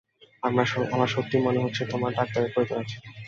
আমার সত্যিই মনে হচ্ছে তোমার ডক্টরের প্রয়োজন আছে।